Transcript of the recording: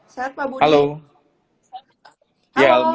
sehat pak budi